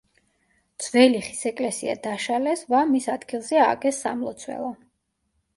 ძველი ხის ეკლესია დაშალეს ვა მის ადგილზე ააგეს სამლოცველო.